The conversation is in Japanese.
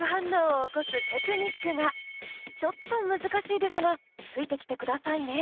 ちょっと難しいですがついてきてくださいね。